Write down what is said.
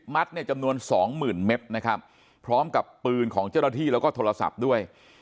เนี่ยจำนวนสองหมื่นเมตรนะครับพร้อมกับปืนของเจ้าหน้าที่แล้วก็โทรศัพท์ด้วย